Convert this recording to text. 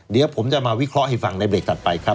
เดี๋ยวผมจะมาวิเคราะห์ให้ฟังในเบรกถัดไปครับ